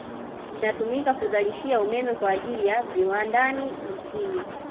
Inatumika kuzalishia umeme kwa ajili ya viwandani nchini